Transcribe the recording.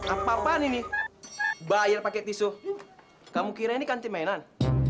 apa apaan ini bayar pakai tisu kamu kira ini kan tim mainan